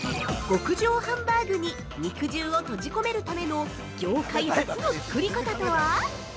◆「極上ハンバーグ」に肉汁を閉じ込めるための業界初の作り方とは？